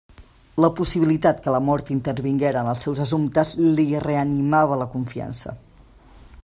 La possibilitat que la mort intervinguera en els seus assumptes li reanimava la confiança.